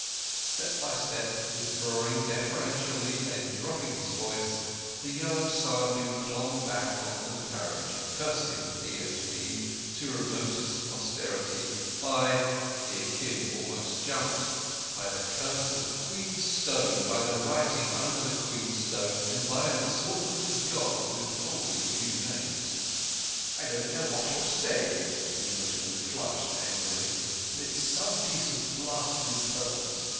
Step by step, withdrawing deferentially and dropping his voice, the yellow Saddhu clomb back to the carriage, cursing the D.S.P. to remotest posterity, by—here Kim almost jumped—by the curse of the Queen's Stone, by the writing under the Queen's Stone, and by an assortment of Gods with wholly, new names. "I don't know what you're saying,"—the Englishman flushed angrily—"but it's some piece of blasted impertinence.